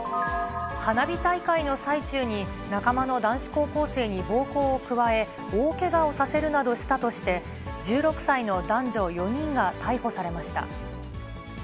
花火大会の最中に、仲間の男子高校生に暴行を加え、大けがをさせるなどしたとして、１６歳の男女４人が逮捕されました。